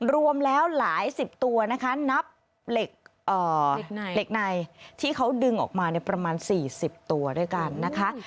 รวมแล้วหลายสิบตัวนะคะนับเหล็กในที่เขาดึงออกมาประมาณ๔๐ตัวด้วยกันนะคะ